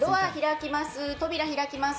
扉、開きます。